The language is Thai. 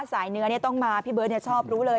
สายเนื้อต้องมาพี่เบิร์ตชอบรู้เลย